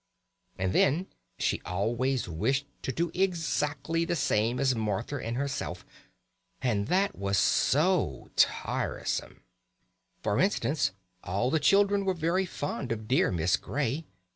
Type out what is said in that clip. And then she always wished to do exactly the same as Martha and herself, and that was so tiresome. For instance, all the children were very fond of dear Miss Grey.